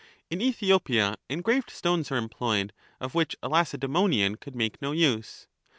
In Ethiopia engraved stones are employed, of which a Lacedaemonian could make no use.